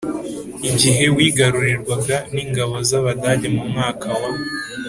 igihe wigarurirwaga n ingabo z Abadage mu mwaka wa